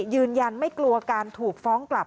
ยืนยันไม่กลัวการถูกฟ้องกลับ